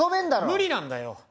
無理なんだよ！